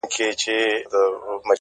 شراب ترخه ترخو ته دي ـ و موږ ته خواږه ـ